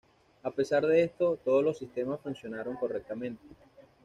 A pesar de esto, todos los sistemas funcionaron correctamente.